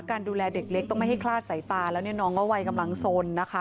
การดูแลเด็กเล็กต้องไม่ให้คลาดสายตาแล้วเนี่ยน้องก็วัยกำลังสนนะคะ